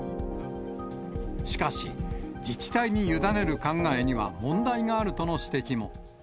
しかし、自治体に委ねる考えには問題があるとの指摘も。